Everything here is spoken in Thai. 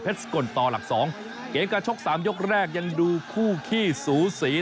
เพชรกลต่อหลัก๒เกณฑ์กระชก๓ยกแรกยังดูคู่ขี้สูสี